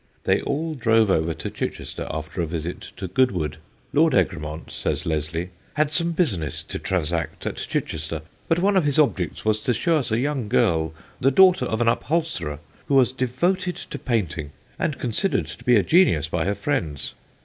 They all drove over to Chichester after a visit to Goodwood. Lord Egremont, says Leslie, "had some business to transact at Chichester; but one of his objects was to show us a young girl, the daughter of an upholsterer, who was devoted to painting, and considered to be a genius by her friends.